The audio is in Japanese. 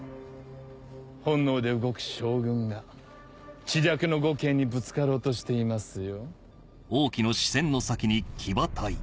本能で動く将軍が知略の呉慶にぶつかろうとしていますよ。